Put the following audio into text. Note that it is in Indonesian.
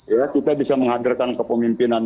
ya kita bisa menghadirkan kepemimpinan